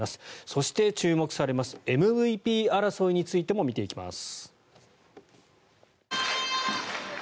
そして注目されますＭＶＰ争いについても見ていきます。